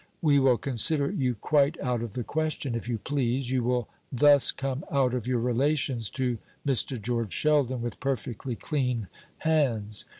We will consider you quite out of the question, if you please; you will thus come out of your relations to Mr. George Sheldon with perfectly clean hands.